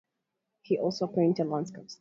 He also painted landscapes.